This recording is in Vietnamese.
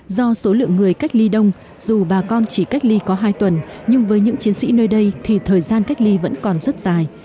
do số lượng người cách ly đông dù bà con chỉ cách ly có hai tuần nhưng với những chiến sĩ nơi đây thì thời gian cách ly vẫn còn rất dài